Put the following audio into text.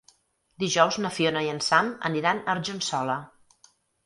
Dijous na Fiona i en Sam aniran a Argençola.